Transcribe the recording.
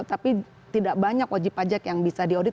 tapi tidak banyak wajib pajak yang bisa di audit